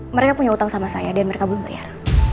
mereka punya utang sama saya dan mereka belum bayar